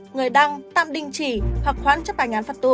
người đăng tạm đình chỉ hoặc khoản chấp hành án phạt tù